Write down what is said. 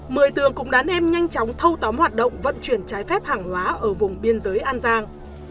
mười tường cũng đàn em nhanh chóng thâu tóm hoạt động vận chuyển trái phép hàng hóa ở vùng biên giới an giang